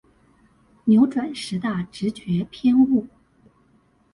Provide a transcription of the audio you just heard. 扭轉十大直覺偏誤